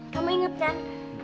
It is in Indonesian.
kamu inget kan